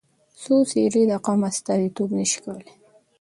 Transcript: څو څېرې د قوم استازیتوب نه شي کولای.